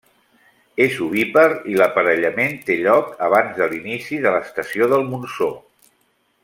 És ovípar i l'aparellament té lloc abans de l'inici de l'estació del monsó.